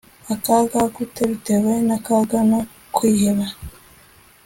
AKAGA Gut bitewe n akaga no kwiheba